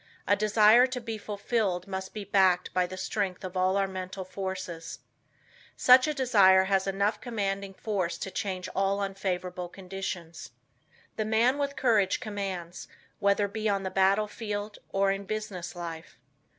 A desire to be fulfilled must be backed by the strength of all our mental forces. Such a desire has enough commanding force to change all unfavorable conditions. The man with courage commands, whether he is on the battlefield or in business life.